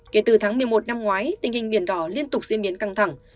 kể từ tháng một mươi một năm ngoái tình hình biển đỏ liên tục diễn biến căng thẳng